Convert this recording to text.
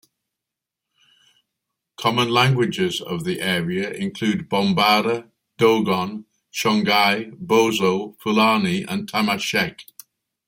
Common languages of the area include Bambara, Dogon, Songhai, Bozo, Fulani and Tamashek.